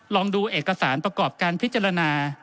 ลองดูเอกสารประกอบการพิจารณา